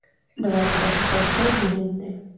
د وارداتو کنټرول مهم دی.